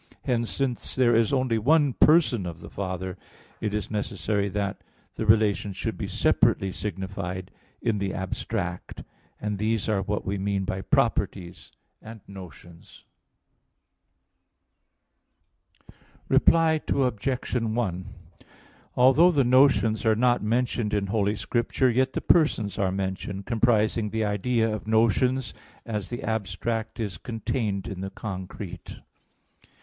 Hence, since there is only one Person of the Father, it is necessary that the relations should be separately signified in the abstract; and these are what we mean by properties and notions. Reply Obj. 1: Although the notions are not mentioned in Holy Scripture, yet the persons are mentioned, comprising the idea of notions, as the abstract is contained in the concrete.